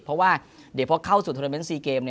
เพราะว่าเดี๋ยวพอเข้าสู่โทรเมนต์๔เกม